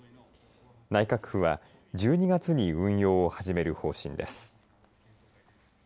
内閣府は、１２月に運用を始める方針です。